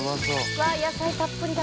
うわぁ野菜たっぷりだ。